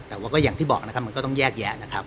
แต่ว่าอย่างที่บอกนะครับ